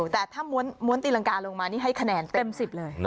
แต่ถ้าม้วนตีรังกาลงมานี่ให้คะแนนเต็ม๑๐เลย